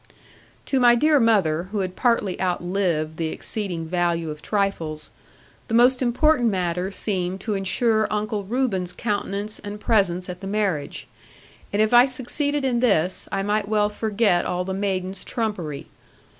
To my dear mother, who had partly outlived the exceeding value of trifles, the most important matter seemed to ensure Uncle Reuben's countenance and presence at the marriage. And if I succeeded in this, I might well forget all the maidens' trumpery.